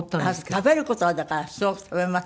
食べる事はだからすごく食べます